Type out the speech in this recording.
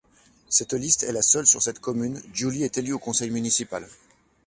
Cette liste est la seule sur cette commune, Giuly est élu au conseil municipal.